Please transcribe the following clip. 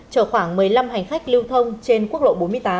chở khoảng một mươi năm hành khách lưu thông trên quốc lộ bốn mươi tám